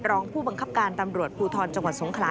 รองผู้บังคับการตำรวจภูทรจังหวัดสงขลา